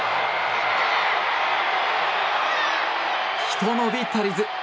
ひと伸び足りず。